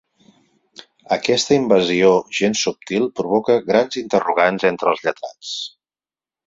Aquesta invasió gens subtil provoca grans interrogants entre els lletrats.